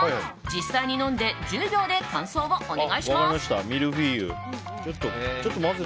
実際に飲んで１０秒で感想をお願いします！